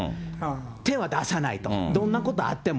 手は出さないと、どんなことあっても。